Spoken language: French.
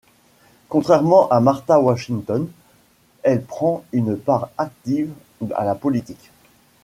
Contrairement à Martha Washington, elle prend une part active à la politique.